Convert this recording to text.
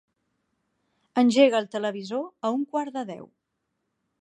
Engega el televisor a un quart de deu.